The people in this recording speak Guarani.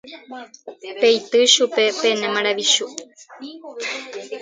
Peity chupe pene maravichu.